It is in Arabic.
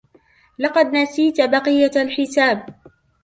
لقد نسيتَ بقية الحساب.